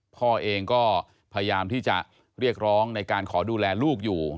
พ่อเองก็พยายามที่จะเรียกร้องในการขอดูแลลูกอยู่